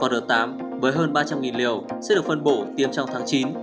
còn đợt tám với hơn ba trăm linh liều sẽ được phân bổ tiêm trong tháng chín